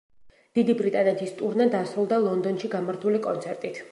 დიდი ბრიტანეთის ტურნე დასრულდა ლონდონში გამართული კონცერტით.